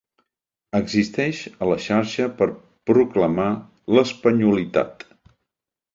Existeix a la xarxa per proclamar l'espanyolitat.